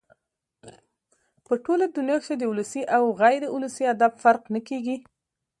په ټوله دونیا کښي د ولسي او غیر اولسي ادب فرق نه کېږي.